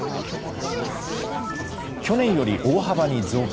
去年より大幅に増加。